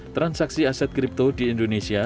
transaksi aset kripto di indonesia